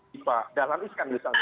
tipe dalam iskan misalnya